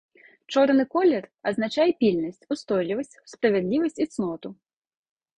Чорны колер азначае пільнасць, устойлівасць, справядлівасць і цноту.